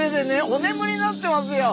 おねむりになってますよ。